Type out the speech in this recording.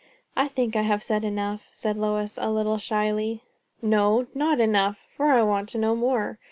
"I think I have said enough," said Lois, a little shyly. "No, not enough, for I want to know more.